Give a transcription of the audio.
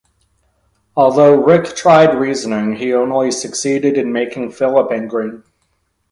Although Rick tried reasoning, he only succeeded in making Phillip angry.